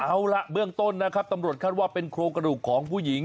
เอาล่ะเบื้องต้นนะครับตำรวจคาดว่าเป็นโครงกระดูกของผู้หญิง